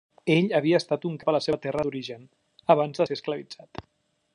Ell havia estat un cap a la seva terra d'origen abans de ser esclavitzat.